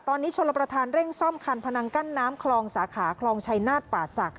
ตอนนี้ชนประธานเร่งซ่อมคันพนังกั้นน้ำคลองสาขาคลองชัยนาฏป่าศักดิ